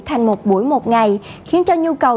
thành một buổi một ngày khiến cho nhu cầu